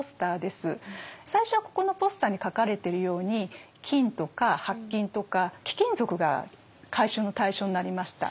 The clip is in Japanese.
最初はここのポスターに書かれてるように金とか白金とか貴金属が回収の対象になりました。